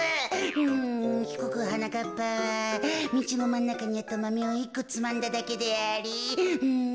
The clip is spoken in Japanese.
うんひこくはなかっぱはみちのまんなかにあったマメを１こつまんだだけでありうん